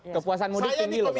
kepuasan mudik tinggi loh